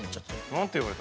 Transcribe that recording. なんて言われた？